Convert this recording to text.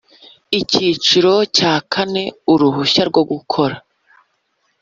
Icyiciro cya kane Uruhushya rwo gukora